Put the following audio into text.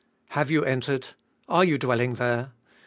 Have you entered? Are you dwelling there?